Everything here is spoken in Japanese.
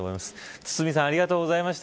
堤さんありがとうございました。